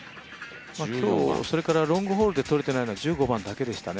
今日、それからロングホールで取れていないのは１５番だけですね。